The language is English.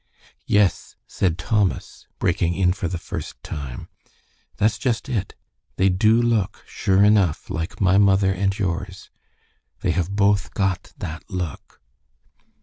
"Yes," said Thomas, breaking in for the first time, "that's just it. They do look, sure enough, like my mother and yours. They have both got that look."